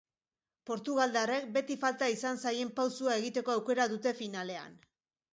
Portugaldarrek beti falta izan zaien pausua egiteko aukera dute finalean.